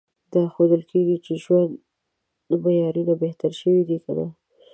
دا ښودل چې ژوند معیارونه بهتر شوي دي که نه؟